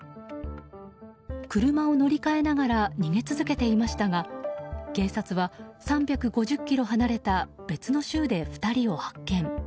車を乗り換えながら逃げ続けていましたが警察は、３５０ｋｍ離れた別の州で２人を発見。